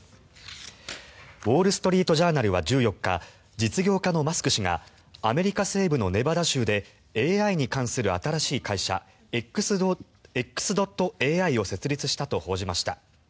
ウォール・ストリート・ジャーナルは１４日実業家のマスク氏がアメリカ西部のネバダ州でＡＩに関する新しい会社Ｘ．ＡＩを設立したと報じました。